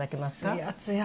つやつや！